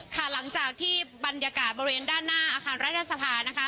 ค่ะหลังจากที่บรรยากาศบริเวณด้านหน้าอาคารรัฐสภานะคะ